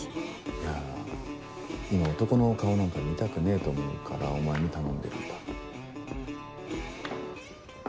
いや今男の顔なんか見たくねえと思うからお前に頼んでるんだ。